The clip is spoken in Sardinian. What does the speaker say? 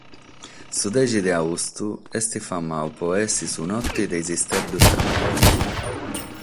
Su deghe de austu est famadu pro èssere su note de sos isteddos tramudende.